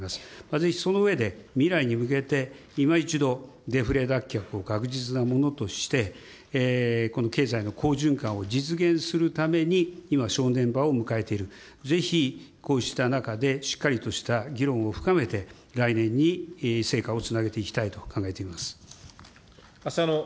ぜひその上で、未来に向けて、いま一度、デフレ脱却を確実なものとして、この経済の好循環を実現するために、今、正念場を迎えている、ぜひこうした中で、しっかりとした議論を深めて、来年に成果をつなげていきたいと考えております。